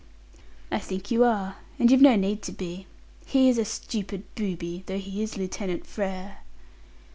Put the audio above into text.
"I think you are and you've no need to be. He is a stupid booby, though he is Lieutenant Frere."